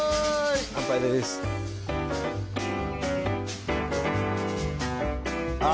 乾杯ですあ